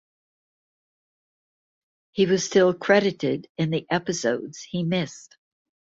He was still credited in the episodes he missed.